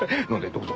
どうぞ。